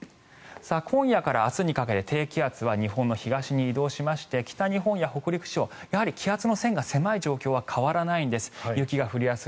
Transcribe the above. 今夜から明日にかけて低気圧は日本の北側に移動しまして北日本や北陸地方やはり気圧の線が狭い状況は変わらないんです。